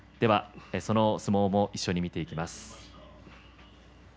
その相撲も一緒に見ていきます。